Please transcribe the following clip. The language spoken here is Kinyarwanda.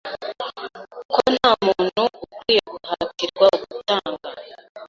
ko nta muntu ukwiye guhatirwa gutanga